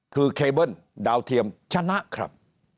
คือเคเบิ้ลดาวเทียมชนะครับ